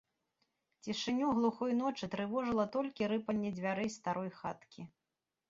Цішыню глухой ночы трывожыла толькі рыпанне дзвярэй старой хаткі.